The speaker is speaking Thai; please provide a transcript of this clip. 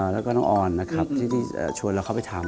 แล้วก็น้องออนนะครับที่ชวนเราเข้าไปทำ